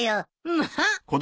まあ！